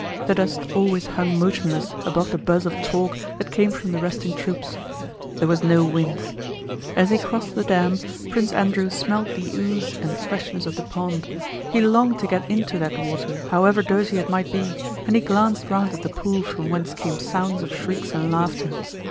The dust always hung motionless above the buzz of talk that came from the resting troops. There was no wind. As he crossed the dam Prince Andrew smelled the ooze and freshness of the pond. He longed to get into that water, however dirty it might be, and he glanced round at the pool from whence came sounds of shrieks and laughter.